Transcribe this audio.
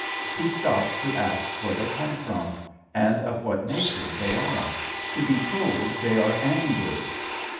He stops to ask where they come from, and of what nation they are; to be told they are "Angli."